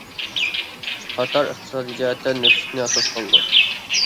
قاتار ئىقتىسادىي جەھەتتە نېفىتنى ئاساس قىلىدۇ.